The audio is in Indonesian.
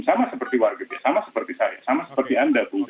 sama seperti warga biasa sama seperti saya sama seperti anda bung